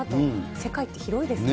世界って広いですね。